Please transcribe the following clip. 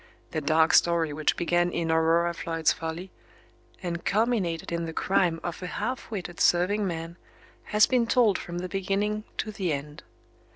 The dark story which began in Aurora Floyd's folly, and culminated in the crime of a half witted serving man, has been told from the beginning to the end.